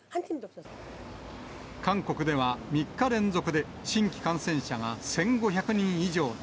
韓国では３日連続で新規感染者が１５００人以上に。